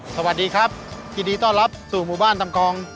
สวัสดีครับยินดีต้อนรับสู่หมู่บ้านตำกอง